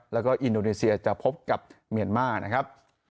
แล้วก็อินโดนีเซียจะพบกับเมียนมาร์นะครับ